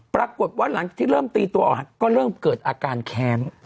ปรากฏว่าหลังที่เริ่มตีตัวออกก็เริ่มเกิดอาการแค้น